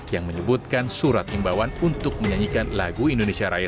yang menyebutkan surat imbauan untuk menyanyikan lagu indonesia raya